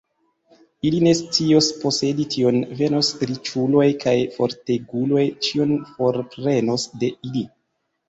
Ili ne scios posedi tion; venos riĉuloj kaj forteguloj, ĉion forprenos de ili.